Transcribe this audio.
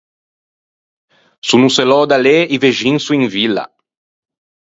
Se o no se löda lê, i vexin son in villa.